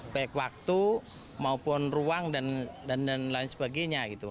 baik waktu maupun ruang dan lain sebagainya gitu